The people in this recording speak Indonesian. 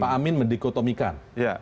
pak amin mendikotomikan